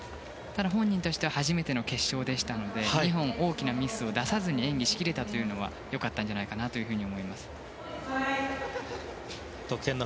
ただ、本人としては初めての決勝でしたので２本大きなミスを出さずに演技しきれたというのは良かったんじゃないかなと思います。